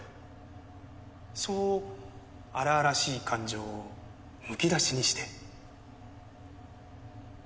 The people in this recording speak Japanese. そう荒々しい感情をむき出しにして。